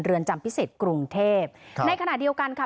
จำพิเศษกรุงเทพครับในขณะเดียวกันค่ะ